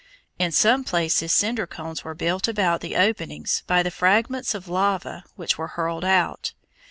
In some places cinder cones were built about the openings by the fragments of lava which were hurled out.